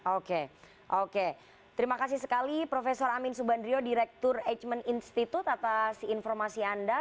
oke oke terima kasih sekali prof amin subandrio direktur hmen institute atas informasi anda